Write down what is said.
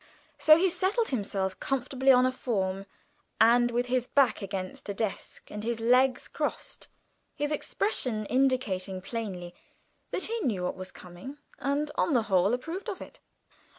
So he settled himself comfortably on a form with his back against a desk and his legs crossed, his expression indicating plainly that he knew what was coming and, on the whole, approved of it.